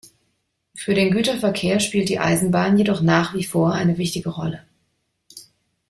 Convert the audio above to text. Für den Güterverkehr spielt die Eisenbahn jedoch nach wie vor eine wichtige Rolle.